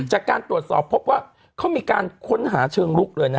จากการตรวจสอบพบว่าเขามีการค้นหาเชิงลุกเลย